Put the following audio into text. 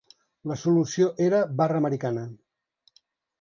La solució era «barra americana».